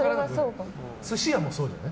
寿司屋もそうじゃない？